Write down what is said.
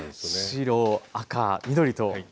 白赤緑と。